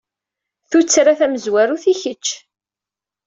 Tuttra-a tamezwarut i kečč.